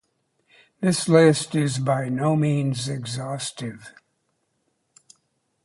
This list is by no means exhaustive.